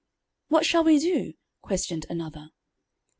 "What shall we do?" questioned another.